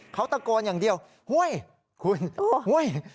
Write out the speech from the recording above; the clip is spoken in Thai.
เขาตะโกนอย่างเดียวหุ้ยคุณหุ้ย